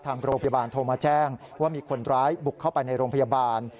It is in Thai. ทางโรงพยาบาลโทรมาแจ้งว่ามีคนร้ายบุกเข้าไปในโรงพยาบาล